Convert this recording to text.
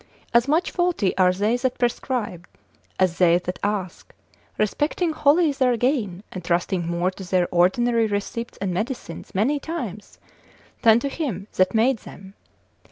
As much faulty are they that prescribe, as they that ask, respecting wholly their gain, and trusting more to their ordinary receipts and medicines many times, than to him that made them.